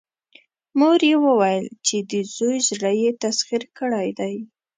مور يې وويل چې د زوی زړه يې تسخير کړی دی.